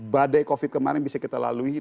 badai covid kemarin bisa kita lalui